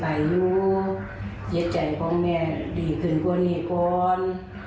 ไข่ยูเย็ดใจของแม่ดีขึ้นกว่าหนีก้อน